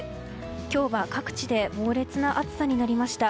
今日は各地で猛烈な暑さになりました。